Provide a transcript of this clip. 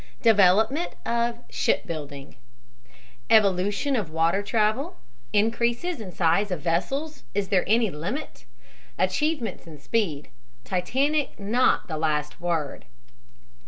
DEVELOPMENT OF SHIPBUILDING EVOLUTION OF WATER TRAVEL INCREASES IN SIZE OF VESSELS IS THERE ANY LIMIT? ACHIEVEMENTS IN SPEED TITANIC NOT THE LAST WORD.